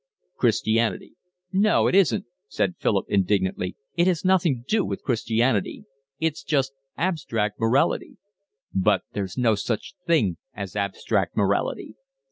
"Christianity." "No, it isn't," said Philip indignantly. "It has nothing to do with Christianity. It's just abstract morality." "But there's no such thing as abstract morality."